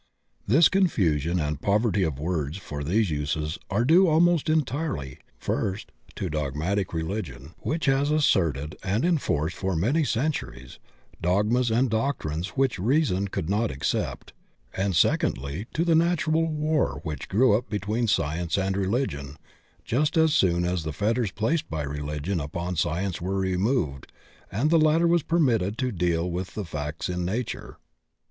This con fusion and poverty of words for these uses are due dmost entirely, first, to dogmatic religion, which has asserted and enforced for many centuries dogmas and doctrines which reason could not accept, and sec ondly to the natural war which grew up between science and religion just as soon as the fetters placed by religion upon science were removed and the latter was permitted to deal with facts in nature.